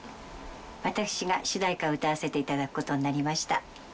私が主題歌を歌わせていただくことになりました。